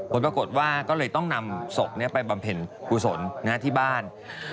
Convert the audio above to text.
ผลปรากฏว่าก็เลยต้องนำศพไปบำเพ็ญกุศลที่บ้าน